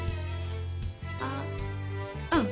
あっうん。